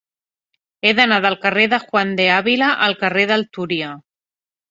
He d'anar del carrer de Juan de Ávila al carrer del Túria.